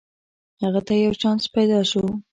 هغه ته یو چانس پیداشو